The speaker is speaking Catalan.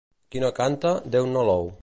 Qui no canta, Déu no l'ou.